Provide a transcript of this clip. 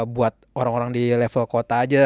buat orang orang di level kota aja